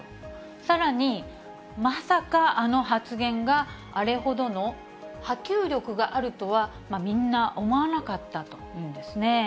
さらに、まさかあの発言が、あれほどの波及力があるとは、みんな思わなかったというんですね。